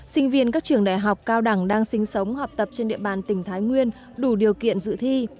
sinh viên các trường đại học cao đẳng đang sinh sống học tập trên địa bàn tỉnh thái nguyên đủ điều kiện dự thi